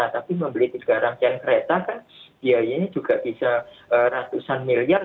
tapi membeli tiga rangkaian kereta kan biayanya juga bisa ratusan miliar